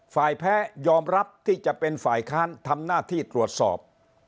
แพ้ยอมรับที่จะเป็นฝ่ายค้านทำหน้าที่ตรวจสอบ